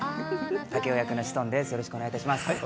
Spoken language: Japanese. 竹雄役の志尊淳です。